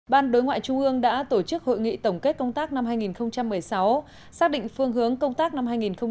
ban đối ngoại trung ương đã tổ chức hội nghị tổng kết công tác năm hai nghìn một mươi sáu xác định phương hướng công tác năm hai nghìn một mươi chín